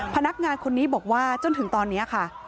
พนักงานคนนี้บอกว่าจนถึงตอนนี้ค่ะ